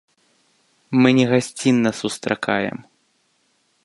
Мы не гасцінна сустракаем.